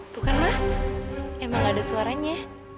tuh kan ma emang nggak ada suaranya